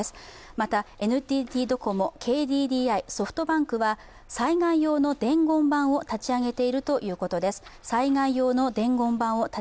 またＮＴＴドコモ、ＫＤＤＩ、ソフトバンクは災害用の伝言板を立ち上げているということです。